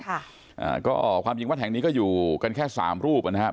อ่าก็ความจริงวัดแห่งนี้ก็อยู่กันแค่สามรูปนะครับ